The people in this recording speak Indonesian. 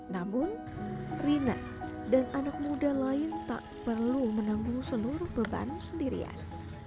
namun rina dan anak muda lain tak perlu menanggung seluruh beban sendirian